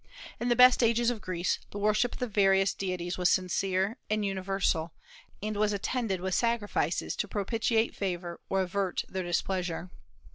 In the best ages of Greece the worship of the various deities was sincere and universal, and was attended with sacrifices to propitiate favor or avert their displeasure.